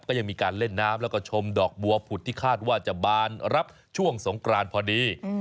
ก็ยังมีการเล่นน้ำแล้วก็ชมดอกบัวผุดที่คาดว่าจะบานรับช่วงสงกรานพอดี